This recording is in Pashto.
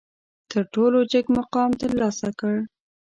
تر ټولو جګ مقام ترلاسه کړ.